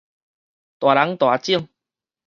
大人大種